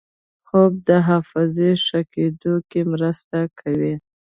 خوب د حافظې ښه کېدو کې مرسته کوي